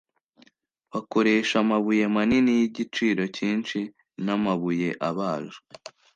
bakoresha amabuye manini y'igiciro cyinshi n amabuye abajwe